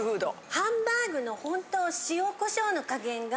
ハンバーグのホント塩コショウの加減が。